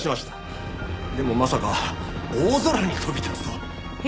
でもまさか大空に飛び立つとは。